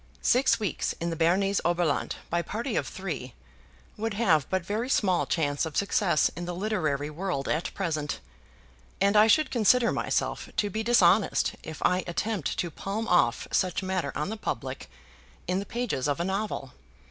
"Six Weeks in the Bernese Oberland, by party of three," would have but very small chance of success in the literary world at present, and I should consider myself to be dishonest if I attempt to palm off such matter on the public in the pages of a novel.